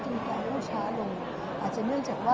พอเจอคุณหมอก็ยังบอกว่าอยากกลับไปเหมือนเดิม